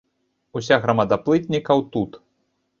Уся грамада плытнікаў тут.